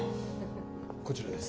こちらです。